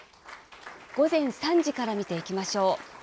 午前３時から見ていきましょう。